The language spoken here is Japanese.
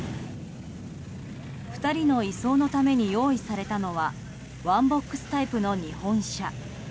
２人の移送のために用意されたのはワンボックスタイプの日本車。